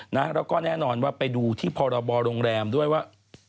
แล้วก็แน่นอนว่าไปดูที่พรบโรงแรมด้วยว่า